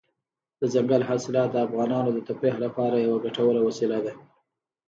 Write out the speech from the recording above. دځنګل حاصلات د افغانانو د تفریح لپاره یوه ګټوره وسیله ده.